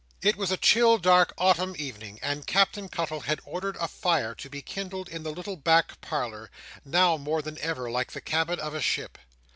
It was a chill dark autumn evening, and Captain Cuttle had ordered a fire to be kindled in the little back parlour, now more than ever like the cabin of a ship.